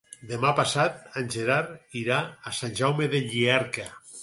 Demà passat en Gerard irà a Sant Jaume de Llierca.